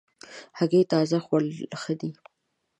هګۍ تازه خوړل ښه دي.